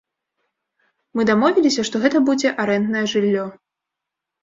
Мы дамовіліся, што гэта будзе арэнднае жыллё.